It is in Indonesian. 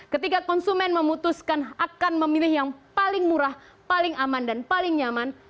ketika konsumen memutuskan akan memilih yang paling murah paling aman dan paling nyaman